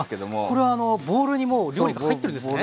これはボウルにもう料理が入ってるんですね。